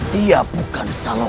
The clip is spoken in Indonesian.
dia bukan saloka